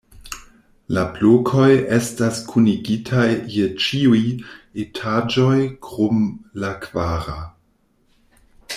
La blokoj estas kunigitaj je ĉiuj etaĝoj krom la kvara.